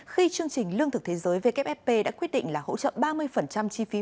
khi chương trình lương thực thế giới wfp đã quyết định là hỗ trợ ba mươi chi phí